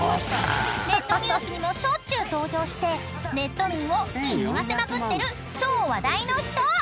［ネットニュースにもしょっちゅう登場してネット民をにぎわせまくってる超話題の人］